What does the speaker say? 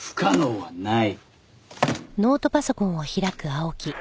「はい」